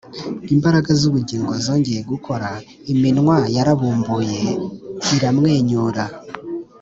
imbaraga z’ubugingo zongeye gukora iminwa yarabumbuye iramwenyura